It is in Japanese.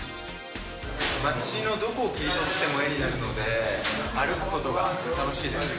街のどこを切り取っても絵になるので、歩くことが楽しいです。